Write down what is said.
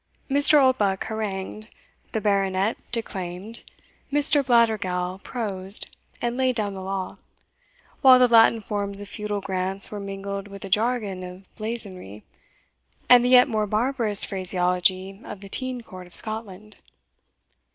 Mr. Oldbuck harangued, the Baronet declaimed, Mr. Blattergowl prosed and laid down the law, while the Latin forms of feudal grants were mingled with the jargon of blazonry, and the yet more barbarous phraseology of the Teind Court of Scotland.